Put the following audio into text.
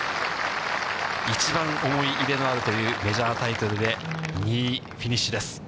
一番思い入れのあるというメジャータイトルで、２位フィニッシュです。